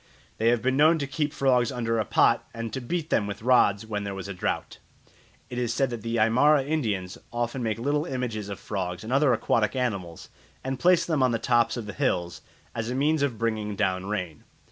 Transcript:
They have been known to keep frogs under a pot and to beat them with rods when there was a drought. It is said that the Aymara Indians often make little images of frogs and other aquatic animals and place them on the tops of the hills as a means of bringing down rain.